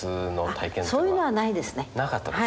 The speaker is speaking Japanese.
あそういうのはないですね。